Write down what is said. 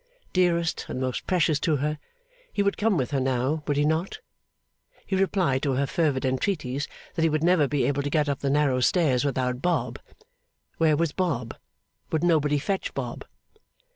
Dearest and most precious to her, he would come with her now, would he not? He replied to her fervid entreaties, that he would never be able to get up the narrow stairs without Bob; where was Bob, would nobody fetch Bob?